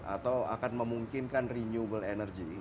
atau akan memungkinkan renewable energy